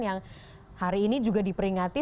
yang hari ini juga diperingati